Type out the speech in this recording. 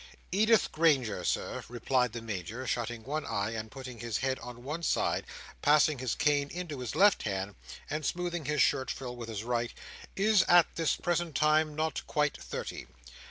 "Edith Granger, Sir," replied the Major, shutting one eye, putting his head on one side, passing his cane into his left hand, and smoothing his shirt frill with his right, "is, at this present time, not quite thirty.